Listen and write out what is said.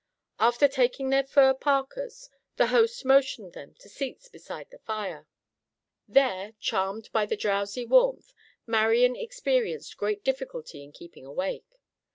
After taking their fur parkas, the host motioned them to seats beside the fire. There, charmed by the drowsy warmth, Marian experienced great difficulty in keeping awake.